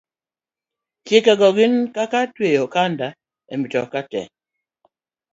Chike go gin kaka tweyo okanda e mtoka to